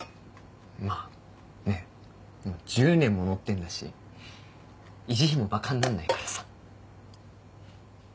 まぁねっもう１０年も乗ってんだし維持費もばかになんないからさ。